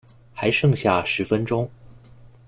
还剩下十分钟